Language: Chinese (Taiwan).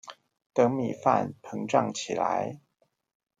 等米飯膨脹起來